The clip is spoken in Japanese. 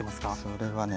それはね